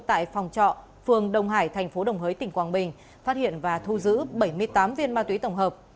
tại phòng trọ phường đồng hải thành phố đồng hới tỉnh quảng bình phát hiện và thu giữ bảy mươi tám viên ma túy tổng hợp